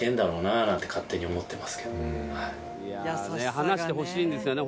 話してほしいんですよね